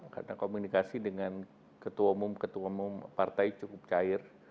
karena komunikasi dengan ketua umum ketua umum partai cukup cair